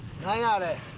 あれ。